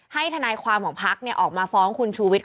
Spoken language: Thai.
ให้ทนายความของภักดิ์ออกมาฟ้องคุณชูวิทย์